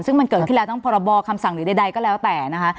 ซึ่งมันเกิดขึ้นแล้วทั้งพรบคำสั่งหรือใดก็แล้วแต่นะคะ